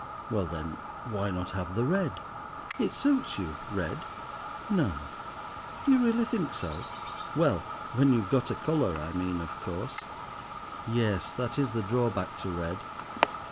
"Well then, why not have the red? It suits you—red." "No; do you really think so?" "Well, when you've got a colour, I mean, of course!" "Yes, that is the drawback to red.